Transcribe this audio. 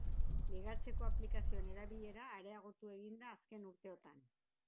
Ligatzeko aplikazioen erabilera areagotu egin da azken urteotan.